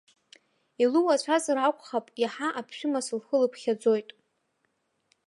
Илуацәазар акәхап, иаҳа аԥшәымас лхы лыԥхьаӡоит.